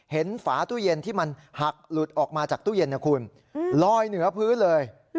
ฝาตู้เย็นที่มันหักหลุดออกมาจากตู้เย็นนะคุณลอยเหนือพื้นเลย